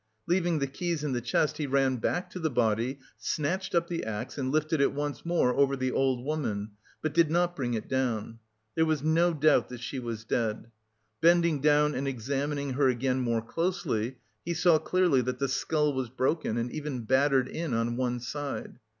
Leaving the keys in the chest, he ran back to the body, snatched up the axe and lifted it once more over the old woman, but did not bring it down. There was no doubt that she was dead. Bending down and examining her again more closely, he saw clearly that the skull was broken and even battered in on one side.